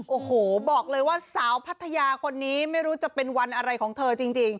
โอ้โหบอกเลยว่าสาวพัทยาคนนี้ไม่รู้จะเป็นวันอะไรของเธอจริง